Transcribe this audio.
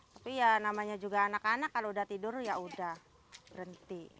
tapi ya namanya juga anak anak kalau udah tidur ya udah berhenti